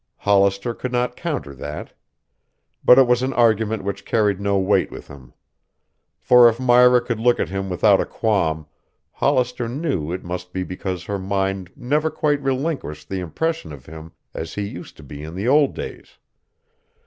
Hollister could not counter that. But it was an argument which carried no weight with him. For if Myra could look at him without a qualm, Hollister knew it must be because her mind never quite relinquished the impression of him as he used to be in the old days.